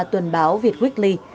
tuần báo việt weekly